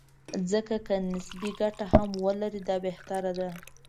ځکه که نسبي ګټه هم ولري، دا بهتري ده.